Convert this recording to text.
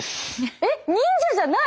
えっ忍者じゃない！